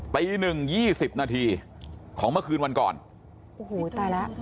ตีหนึ่งยี่สิบนาทีของเมื่อคืนวันก่อนโอ้โหตายแล้ว